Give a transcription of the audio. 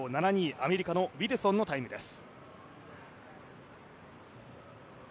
アメリカのウィルソンのタイムです。